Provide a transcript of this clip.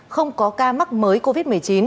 không có ca mắc mới covid một mươi chín